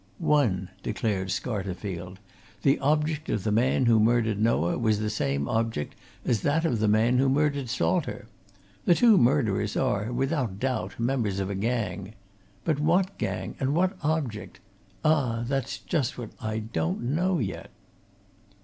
"One!" declared Scarterfield. "The object of the man who murdered Noah was the same object as that of the man who murdered Salter. The two murderers are, without doubt, members of a gang. But what gang, and what object ah! that's just what I don't know yet!"